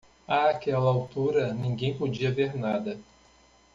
Àquela altura, ninguém podia ver nada